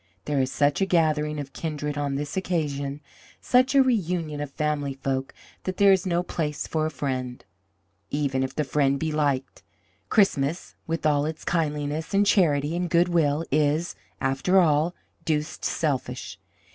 There is such a gathering of kindred on this occasion, such a reunion of family folk, that there is no place for a friend, even if the friend be liked. Christmas, with all its kindliness and charity and good will, is, after all, deuced selfish.